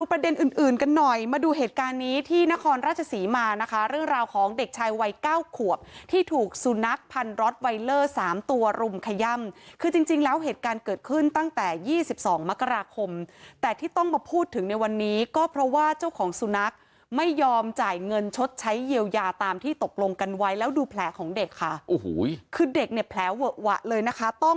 ประเด็นอื่นกันหน่อยมาดูเหตุการณ์นี้ที่นครราชศรีมานะคะเรื่องราวของเด็กชายวัย๙ขวบที่ถูกสุนัขพันธุ์รอสไวเลอร์๓ตัวรุมขย่ำคือจริงแล้วเหตุการณ์เกิดขึ้นตั้งแต่๒๒มกราคมแต่ที่ต้องมาพูดถึงในวันนี้ก็เพราะว่าเจ้าของสุนัขไม่ยอมจ่ายเงินชดใช้เยียวยาตามที่ตกลงกันไว้แล้วดูแผลข